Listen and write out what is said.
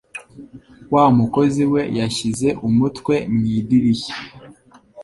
Wa mukozi we yashyize umutwe mu idirishya.